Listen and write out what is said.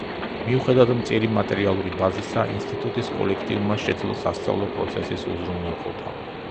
მიუხედავად მწირი მატერიალური ბაზისა ინსტიტუტის კოლექტივმა შეძლო სასწავლო პროცესის უზრუნველყოფა.